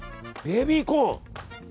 ベビーコーン。